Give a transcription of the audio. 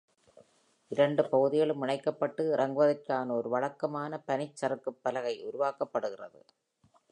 இரண்டு பகுதிகளும் இணைக்கப்பட்டு, இறங்குவதற்கான ஒரு வழக்கமான பனிச்சறுக்குப் பலகை உருவாக்கப்படுகிறது.